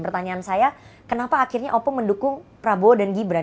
pertanyaan saya kenapa akhirnya opung mendukung prabowo dan gibran